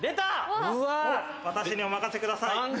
私にお任せください！